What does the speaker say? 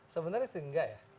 sebenarnya enggak ya